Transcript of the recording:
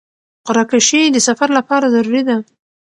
قرعه کشي د سفر لپاره ضروري ده.